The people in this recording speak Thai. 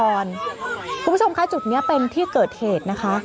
คุณผู้ชมคะจุดนี้เป็นที่เกิดเหตุนะคะ